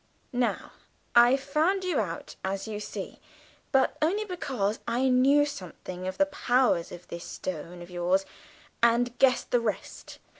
Now, I've found you out, as you see; but only because I knew something of the powers of this Stone of yours, and guessed the rest.